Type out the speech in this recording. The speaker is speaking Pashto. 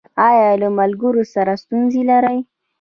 ایا له ملګرو سره ستونزې لرئ؟